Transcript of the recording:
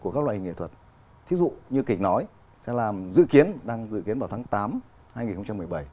hình nghệ thuật thí dụ như kịch nói sẽ làm dự kiến đang dự kiến vào tháng tám hai nghìn một mươi bảy